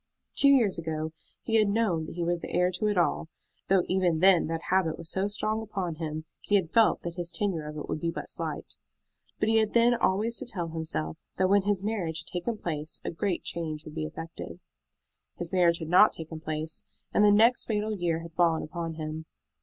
Two years ago he had known that he was the heir to it all, though even then that habit was so strong upon him he had felt that his tenure of it would be but slight. But he had then always to tell himself that when his marriage had taken place a great change would be effected. His marriage had not taken place, and the next fatal year had fallen upon him.